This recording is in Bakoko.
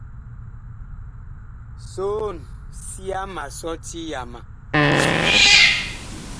Soon, sia ma sɔti yama.